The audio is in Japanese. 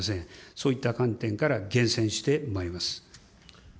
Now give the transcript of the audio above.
そういった観点から厳選してまいります。